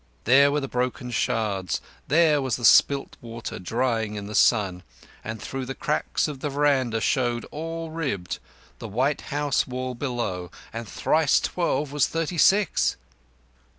There were the broken shards; there was the spilt water drying in the sun, and through the cracks of the veranda showed, all ribbed, the white house wall below—and thrice twelve was thirty six!